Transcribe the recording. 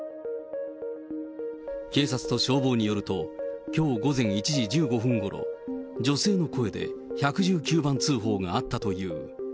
警察と消防によると、きょう午前１時１５分ごろ、女性の声で１１９番通報があったという。